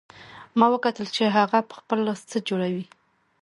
ما وکتل چې هغه په خپل لاس څه جوړوي